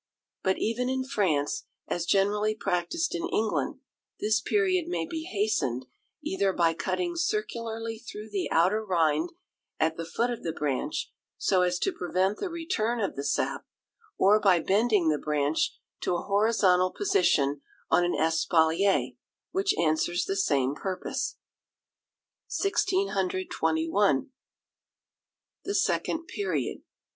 But even in France, as generally practised in England, this period may be hastened, either by cutting circularly through the outer rind at the foot of the branch, so as to prevent the return of the sap, or by bending the branch to a horizontal position on an espalier, which answers the same purpose. 1621. The Second Period.